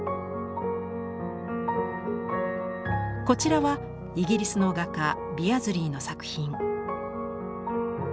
こちらはイギリスの画家ビアズリーの作品。